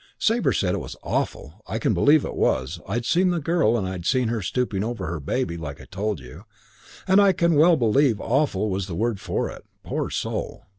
"Sabre said it was awful. I can believe it was. I'd seen the girl, and I'd seen her stooping over her baby (like I told you) and I can well believe awful was the word for it. Poor soul.